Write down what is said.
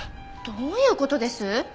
どういう事です？